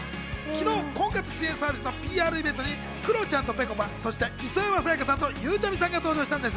昨日、婚活支援サービスのＰＲイベントにクロちゃんとぺこぱ、磯山さやかさんとゆうちゃみさんが登場しました。